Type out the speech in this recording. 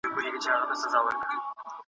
ستاسې پوستکی د ویټامینو د کمښت څخه زیانمن کیږي.